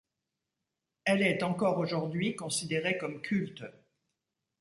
Elle est, encore aujourd'hui, considérée comme culte.